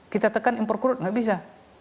kita tekan impor crude tidak bisa